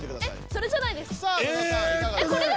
それじゃないですか？